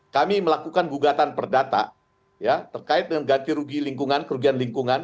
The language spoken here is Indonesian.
kami melakukan gugatan perdata terkait dengan ganti rugi lingkungan kerugian lingkungan